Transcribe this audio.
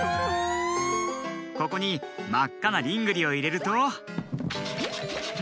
ここにまっかなリングリをいれると。